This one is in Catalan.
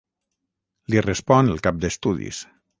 Li respon el cap d’estudis.